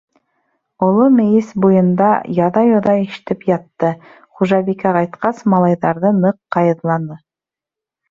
Оло мейес буйында яҙа-йоҙа ишетеп ятты: хужабикә ҡайтҡас, малайҙарҙы ныҡ ҡайыҙланы.